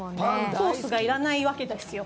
ソースがいらないわけですよ。